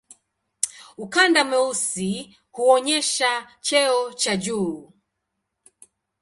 Ukanda mweusi huonyesha cheo cha juu.